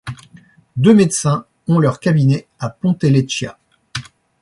Deux médecins ont leur cabinet à Ponte-Leccia.